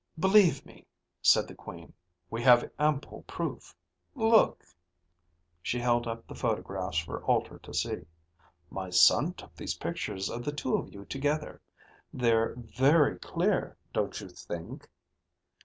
"Believe me," said the Queen, "we have ample proof. Look." She held up the photographs for Alter to see. "My son took these pictures of the two of you together. They're very clear, don't you think?"